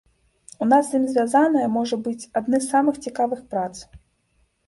У нас з ім звязаная, можа быць, адны з маіх самых цікавых прац.